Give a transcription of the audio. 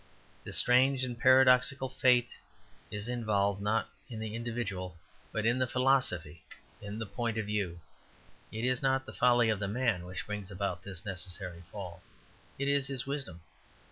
This strange and paradoxical fate is involved, not in the individual, but in the philosophy, in the point of view. It is not the folly of the man which brings about this necessary fall; it is his wisdom.